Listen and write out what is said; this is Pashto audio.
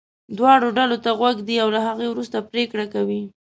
دواړو ډلو ته غوږ ږدي او له هغې وروسته پرېکړه کوي.